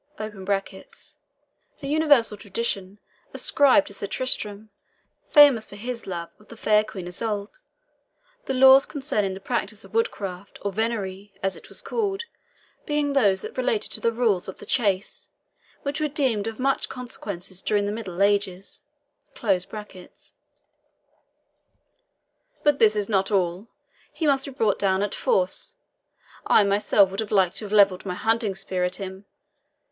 [A universal tradition ascribed to Sir Tristrem, famous for his love of the fair Queen Yseult, the laws concerning the practice of woodcraft, or VENERIE, as it was called, being those that related to the rules of the chase, which were deemed of much consequence during the Middle Ages.] But this is not all he must be brought down at force. I myself would have liked to have levelled my hunting spear at him.